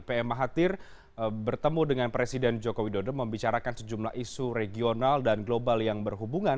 pm mahathir bertemu dengan presiden joko widodo membicarakan sejumlah isu regional dan global yang berhubungan